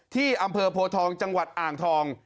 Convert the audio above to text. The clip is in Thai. ที่อำเภอโพทองจังหวัดอ่างทอง